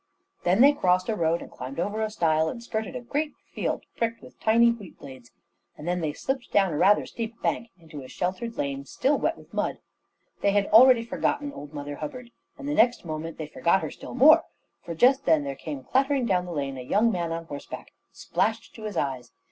Then they crossed a road, and climbed over a stile, and skirted a great field pricked with tiny wheat blades; and then they slipped down a rather steep bank into a sheltered lane still wet with mud. They had already forgotten old Mother Hubbard, and the next moment they forgot her still more; for just then there came clattering down the lane a young man on horseback, splashed to his eyes.